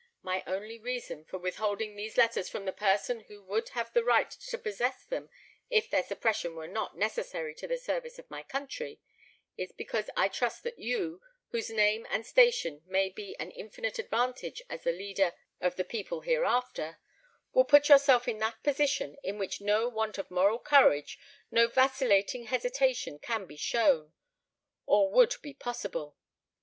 My only reason for withholding these letters from the person who would have a right to possess them, if their suppression were not necessary to the service of my country, is because I trust that you, whose name and station may be an infinite advantage as a leader of the people hereafter, will put yourself in that position in which no want of moral courage, no vacillating hesitation can be shown, or would be possible.